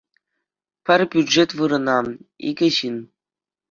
Пӗр бюджет вырӑна — икӗ ҫын